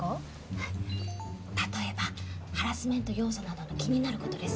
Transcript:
はい例えばハラスメント要素などの気になることです